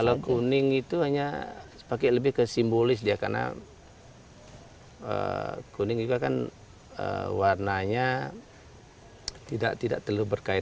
kalau kuning itu hanya pakai lebih ke simbolis ya karena kuning juga kan warnanya tidak terlalu berkaitan